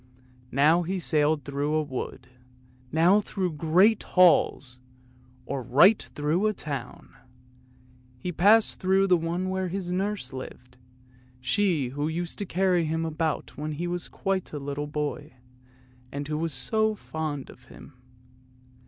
Now he sailed through a wood, now through great halls, or right through a town; he passed through the one where his nurse lived, she who used to carry him about when he was quite a little boy and who was so fond of him.